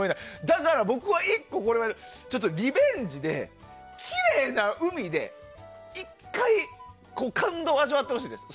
だから僕は１個、リベンジできれいな海で１回感動を味わってほしいんです。